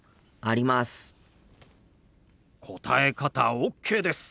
答え方ＯＫです。